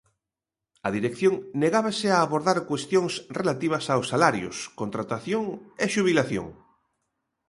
A dirección negábase a abordar cuestións relativas aos salarios, contratación e xubilación.